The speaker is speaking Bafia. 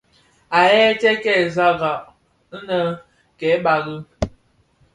Àa yêê tsee kêê sààghràg inë kêê bàgi.